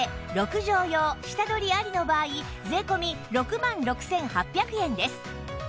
６畳用下取りありの場合税込６万６８００円です